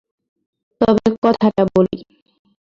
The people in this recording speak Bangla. তবে কথাটা বলি।